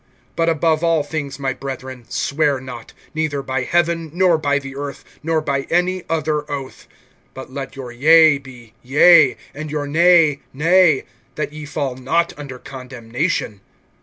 (12)But above all things, my brethren, swear not; neither by heaven, nor by the earth, nor by any other oath; but let your yea be yea, and your nay, nay; that ye fall not under condemnation.